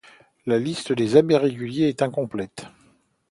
La liste des abbés réguliers est incomplète.